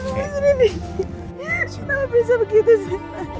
kenapa bisa begitu sih